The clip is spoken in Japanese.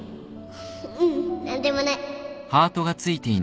ううん何でもない